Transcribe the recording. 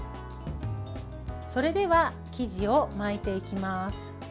それでは生地を巻いていきます。